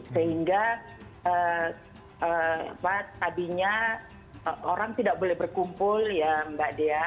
sehingga pak tadinya orang tidak boleh berkumpul ya mbak dea